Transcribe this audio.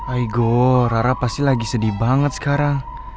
igo rara pasti lagi sedih banget sekarang